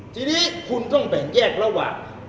ทีนี้คุณต้องแบ่งแยกระหว่าง